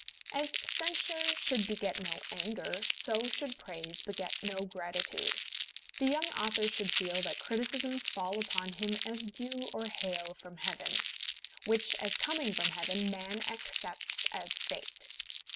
As censure should beget no anger, so should praise beget no gratitude. The young author should feel that criticisms fall upon him as dew or hail from heaven, which, as coming from heaven, man accepts as fate.